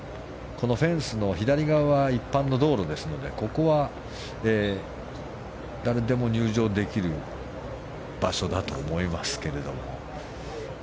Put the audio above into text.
このフェンスの左側は一般の道路ですのでここは誰でも入場できる場所だと思いますけれども。